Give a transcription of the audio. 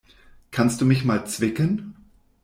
Kannst du mich mal zwicken?